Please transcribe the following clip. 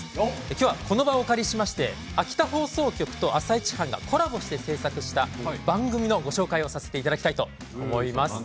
今日はこの場をお借りしまして秋田放送局と「あさイチ」班がコラボして制作した番組のご紹介をさせていただきたいと思います。